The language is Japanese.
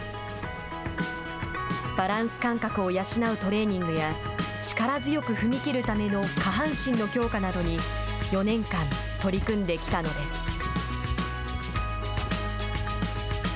バランス感覚を養うトレーニングや力強く踏み切るための下半身の強化などに４年間、取り組んできたのです。